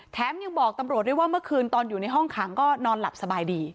ยังบอกตำรวจด้วยว่าเมื่อคืนตอนอยู่ในห้องขังก็นอนหลับสบายดี